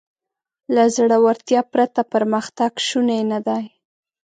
له زړهورتیا پرته پرمختګ شونی نهدی.